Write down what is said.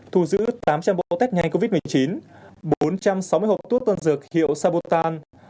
thu giữ tám trăm linh bộ test nhanh covid một mươi chín bốn trăm sáu mươi hộp thuốc tân dược hiệu sabotan